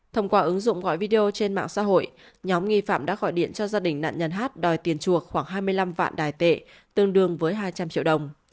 thông qua ứng dụng gọi video trên mạng xã hội nhóm nghi phạm đã gọi điện cho gia đình nạn nhân hát đòi tiền chuộc khoảng hai mươi năm vạn tệ tương đương với hai trăm linh triệu đồng